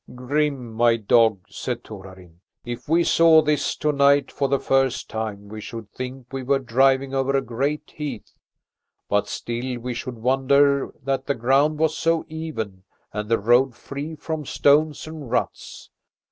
"Grim, my dog," said Torarin, "if we saw this tonight for the first time we should think we were driving over a great heath. But still we should wonder that the ground was so even and the road free from stones and ruts.